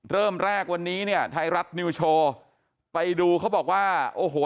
เริ่มแรกวันนี้เนี่ยไทยรัฐนิวโชว์ไปดูเขาบอกว่าโอ้โห